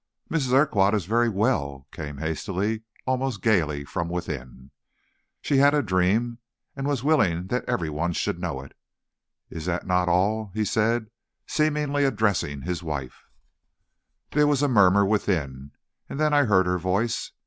"Mrs. Urquhart is very well," came hastily, almost gayly, from within. "She had a dream, and was willing that every one should know it. Is not that all?" he said, seemingly addressing his wife. There was a murmur within, and then I heard her voice.